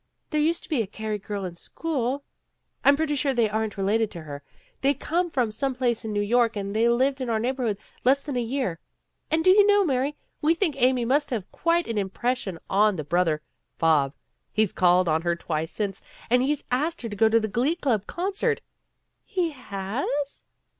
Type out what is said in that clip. There used to be a Carey girl in school " "I'm pretty sure they aren't related to her. They come from some place in New York and they've lived in our neighborhood less than a year. And do you know, Mary, we think Amy must have made quite an impression on the brother Bob. He's called on her twice since, and he's asked her to go to the Glee Club con cert." "He has!"